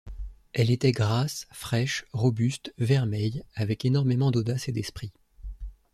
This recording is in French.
Elle était grasse, fraîche, robuste, vermeille, avec énormément d’audace et d’esprit.